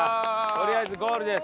とりあえずゴールです。